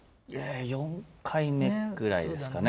４回目ぐらいですかね。